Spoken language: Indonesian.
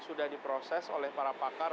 sudah diproses oleh para pakar